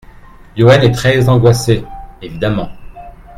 Youenn est très angoissé évidemment.